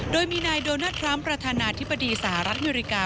โดยมีนายโดนัลดทรัมป์ประธานาธิบดีสหรัฐอเมริกา